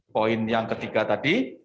poin yang ketiga tadi